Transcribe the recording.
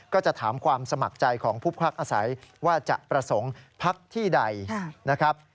ก็จะถามความสมัครใจของผู้พักอาศัยว่าจะประสงค์พักที่ใดนะครับ